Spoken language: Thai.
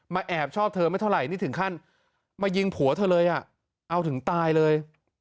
แอบชอบเธอไม่เท่าไหร่นี่ถึงขั้นมายิงผัวเธอเลยอ่ะเอาถึงตายเลย